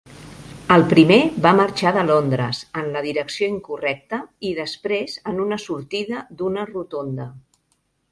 El primer va marxar de Londres en la direcció incorrecta i després en una sortida d'una rotonda.